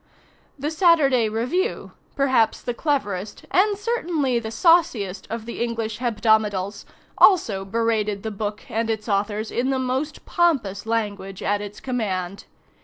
The "Saturday Review" perhaps the cleverest and certainly the sauciest of the English hebdomadals also berated the book and its authors in the most pompous language at its command.